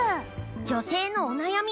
女性のお悩み